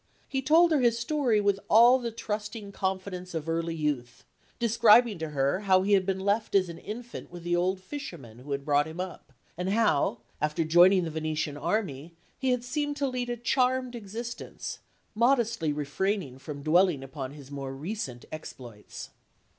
He told her his story with all the trusting confidence of early youth; describing to her how he had been left as an infant with the old fisherman who had brought him up, and how, after joining the Venetian army, he had seemed to lead a charmed existence, modestly refraining from dwelling upon his more recent exploits.